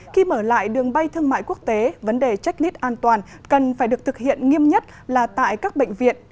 khi mở lại đường bay thương mại quốc tế vấn đề check in an toàn cần phải được thực hiện nghiêm nhất là tại các bệnh viện